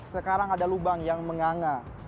sekarang ada lubang yang menganga